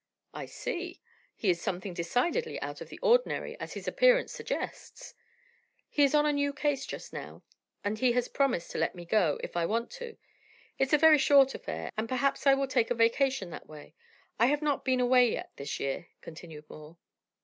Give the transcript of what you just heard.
"I see. He is something decidedly out of the ordinary, as his appearance suggests." "He is on a new case just now, and he has promised to let me go, if I want to. It's a very short affair, and perhaps I will take a vacation that way. I have not been away yet this year," continued Moore.